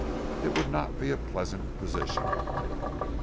It would not be a pleasant position.